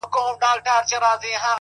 ننوتی تر اوو پوښو انجام دی’